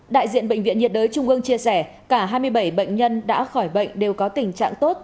đại diện bệnh viện nhiệt đới trung ương chia sẻ cả hai mươi bảy bệnh nhân đã khỏi bệnh đều có tình trạng tốt